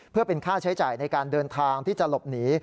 เพื่อเป็นค่าใช้จ่ายในการเดินทางที่จะหลบหนี